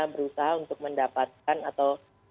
berusaha untuk mendapatkan atau